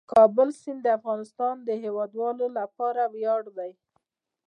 د کابل سیند د افغانستان د هیوادوالو لپاره ویاړ دی.